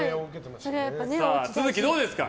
都築どうですか？